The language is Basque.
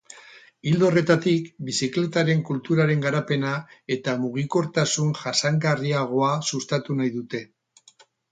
Ildo horretatik, bizikletaren kulturaren garapena eta mugikortasun jasangarriagoa sustatu nahi dute.